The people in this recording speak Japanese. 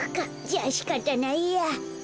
じゃあしかたないや。